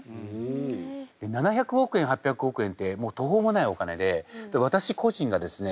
７００億円８００億円ってもう途方もないお金で私個人がですね